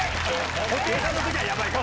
布袋さんの時はヤバい。